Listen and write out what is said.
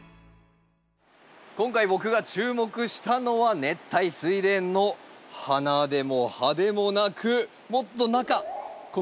今回僕が注目したのは熱帯スイレンの花でも葉でもなくもっと中この株元です。